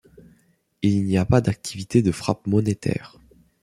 Il y n'a pas d'activité de frappe monétaire.